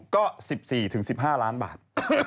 ก็๑๔๑๕ล้านบาท